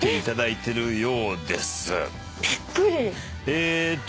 えーっと